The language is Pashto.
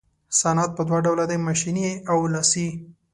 صنعت په دوه ډوله دی ماشیني او لاسي.